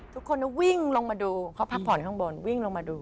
ทุกคนก็วิ่งลงมาดูเขาพักผ่อนข้างบนวิ่งลงมาดู